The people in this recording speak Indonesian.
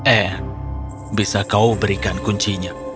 anne bisa kau berikan kuncinya